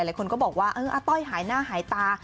หลายคนก็บอกว่าอาต้อยหายหน้าหายตา